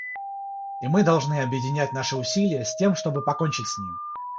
И мы должны объединять наши усилия, с тем чтобы покончить с ним.